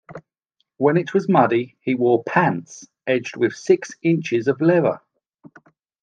When it was muddy, he wore pants edged with six inches of leather.